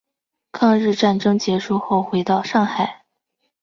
抗日战争结束后回到上海。